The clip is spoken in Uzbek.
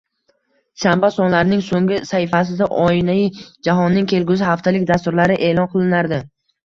Shanba sonlarining soʻnggi sahifasida oynai jahonning kelgusi haftalik dasturlari eʼlon qilinardi.